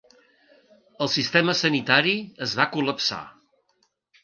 El sistema sanitari es va col·lapsar.